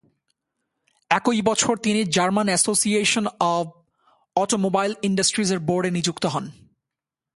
একই বছর তিনি জার্মান অ্যাসোসিয়েশন অব অটোমোবাইল ইন্ডাস্ট্রিজের বোর্ডে নিযুক্ত হন।